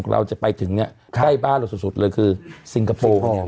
เราจะไปถึงใกล้บ้านเราสุดเลยคือสิงคโปร์